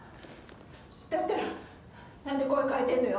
だったら何で声変えてんのよ？